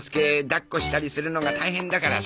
抱っこしたりするのが大変だからさ。